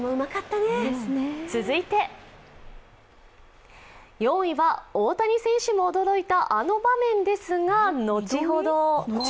続いて４位は大谷選手も驚いたあの場面ですが、後ほど。